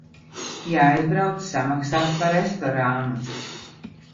Jāaizbrauc samaksāt par restorānu.